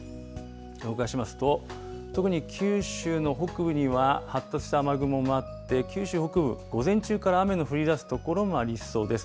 動かしますと、特に九州の北部には、発達した雨雲もあって、九州北部、午前中から雨の降りだす所もありそうです。